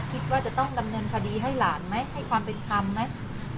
คิดว่าจะต้องดำเนินคดีให้หลานไหมให้ความเป็นธรรมไหม